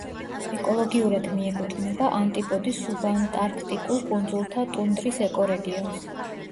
ეკოლოგიურად მიეკუთვნება ანტიპოდის სუბანტარქტიკულ კუნძულთა ტუნდრის ეკორეგიონს.